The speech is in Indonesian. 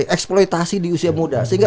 eksploitasi di usia muda sehingga